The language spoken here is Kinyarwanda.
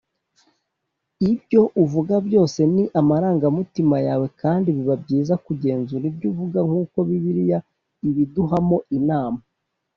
ibyo uvuga byose ni amarangamutima yawe kandi biba byiza kugenzura ibyo uvuga nk’uko bibiliya ibiduhamo inama